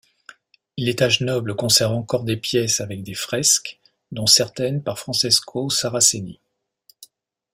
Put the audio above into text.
L'étage noble conserve encore des pièces avec des fresques, dont certaines par Francesco Saraceni.